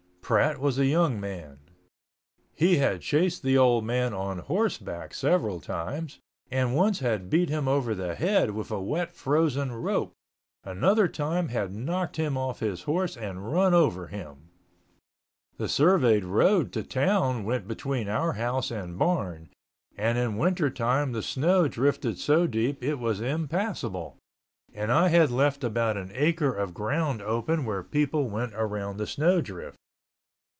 Pratt was a young man. He had chased the old man on horseback several times and once had beat him over the head with a wet frozen rope, another time had knocked him off his horse and run over him. The surveyed road to town went between our house and barn, and in wintertime the snow drifted so deep it was impassable, and I had left about an acre of ground open where people went around the snowdrift.